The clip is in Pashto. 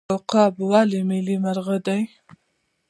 عقاب ولې ملي مرغه دی؟